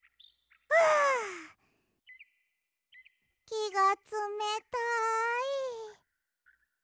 きがつめたい！